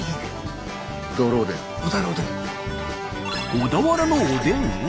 小田原おでん？